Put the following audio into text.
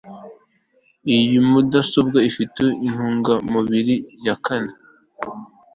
Iyo mudasobwa ifite intungamubiri ya kane